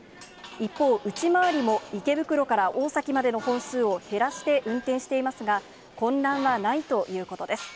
一方、内回りも池袋から大崎までの本数を減らして運転していますが、混乱はないということです。